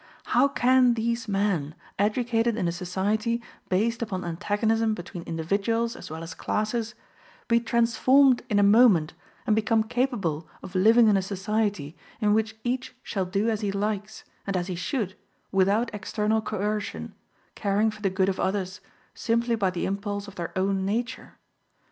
How can these men, educated in a society based upon antagonism between individuals as well as classes, be transformed in a moment and become capable of living in a society in which each shall do as he likes, and as he should, without external coercion, caring for the good of others, simply by the impulse of their own nature?